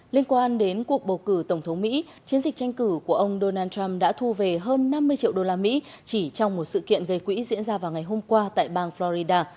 liên quan đến cuộc bầu cử tổng thống mỹ chiến dịch tranh cử của ông donald trump đã thu về hơn năm mươi triệu đô la mỹ chỉ trong một sự kiện gây quỹ diễn ra vào ngày hôm qua tại bang florida